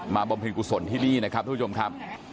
มาบรรพิกุศลที่นี่นะครับทุกนวอส